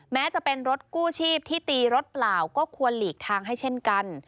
แม้จะเป็นรถกู้ชีพที่ตีรถเปล่าก็ควรหลีกทางให้เช่นกัน